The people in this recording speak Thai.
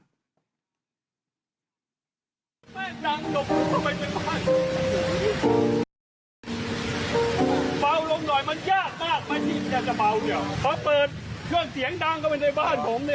เขาเปิดเรื่องเสียงดังเขาเป็นในบ้านผมเนี่ย